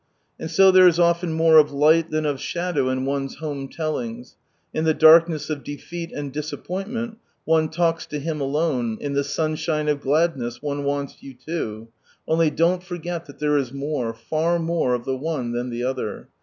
" And so there is often more of light than of shadow in one's home tellings : in the darkness of defeat and disappointment, one talks to Him alone, in the sunshine of gladness, one wants you too ; only don't forget that there is more, far more, of the one than the other.